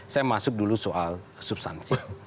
saya masuk dulu soal substansi